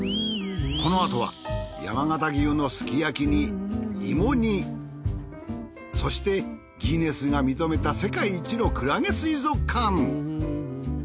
このあとは山形牛のすき焼きに芋煮そしてギネスが認めた世界一のクラゲ水族館。